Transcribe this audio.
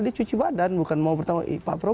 dia cuci badan bukan mau bertanggung jawab pak prabowo